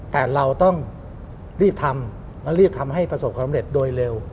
แต่เราต้องรีบทำและรีบทำให้ประสบความสำเร็จโดยเร็ว